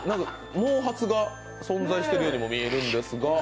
毛髪が存在しているようにも見えるんですが。